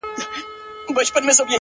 فکر مي وران دی حافظه مي ورانه ـ